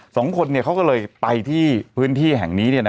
สองคนเขาก็เลยไปที่พื้นที่แห่งนี้